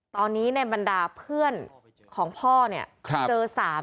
ตอนนี้ในบรรดาเพื่อนของพ่อเนี่ยเจอ๓